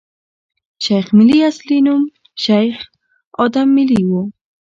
د شېخ ملي اصلي نوم شېخ ادم ملي ؤ.